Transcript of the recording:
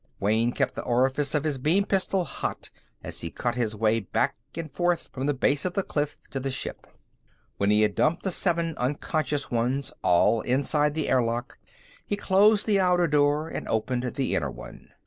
Wayne kept the orifice of his beam pistol hot as he cut his way back and forth from the base of the cliff to the ship. When he had dumped the seven unconscious ones all inside the airlock, he closed the outer door and opened the inner one.